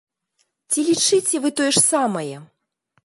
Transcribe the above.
Ці лічыце вы тое ж самае?